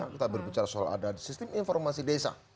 kita berbicara soal ada sistem informasi desa